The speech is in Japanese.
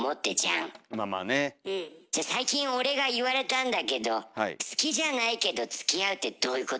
じゃあ最近俺が言われたんだけど「好きじゃないけどつきあう」ってどういうこと？